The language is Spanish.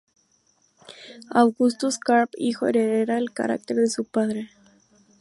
Augustus Carp hijo hereda el carácter de su padre.